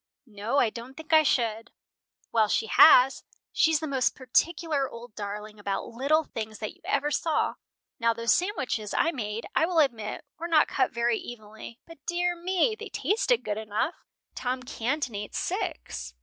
"No, I don't think I should." "Well, she has. She's the most particular old darling about little things that you ever saw. Now those sandwiches I made I will admit were not cut very evenly, but, dear me! they tasted good enough. Tom Canton ate six.